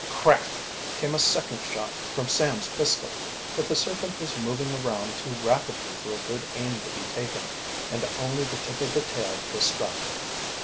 Crack! came a second shot from Sam's pistol. But the serpent was moving around too rapidly for a good aim to be taken, and only the tip of the tail was struck.